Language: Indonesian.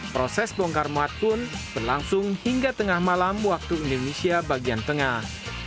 proses bongkar muat pun berlangsung hingga tengah malam waktu indonesia bagian tengah